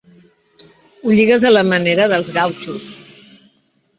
Ho lligues a la manera dels gautxos.